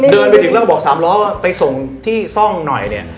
เดินไปถึงแล้วก็บอกสามล้อว่าไปส่งที่ซ่องหน่อยเนี่ย